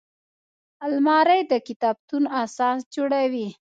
الماري د کتابتون اساس جوړوي